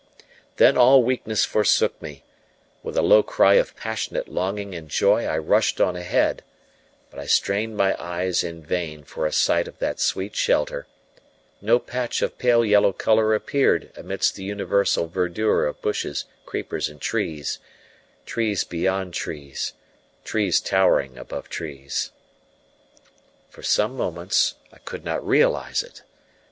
Then all weakness forsook me; with a low cry of passionate longing and joy I rushed on ahead; but I strained my eyes in vain for a sight of that sweet shelter; no patch of pale yellow colour appeared amidst the universal verdure of bushes, creepers, and trees trees beyond trees, trees towering above trees. For some moments I could not realize it.